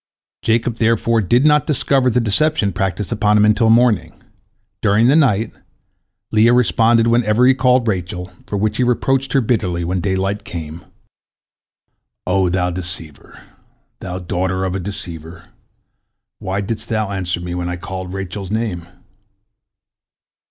Jacob therefore did not discover the deception practiced upon him until morning. During the night Leah responded whenever he called Rachel, for which he reproached her bitterly when daylight came. "O thou deceiver, daughter of a deceiver, why didst thou answer me when I called Rachel's name?"